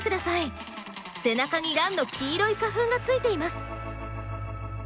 背中にランの黄色い花粉がついています。